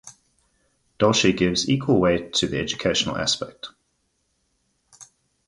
Dolci gives equal weight to the educational aspect.